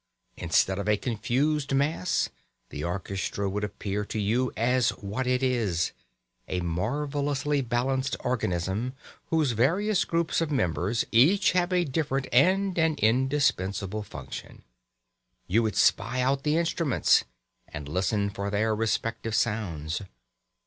Instead of a confused mass, the orchestra would appear to you as what it is a marvellously balanced organism whose various groups of members each have a different and an indispensable function. You would spy out the instruments, and listen for their respective sounds.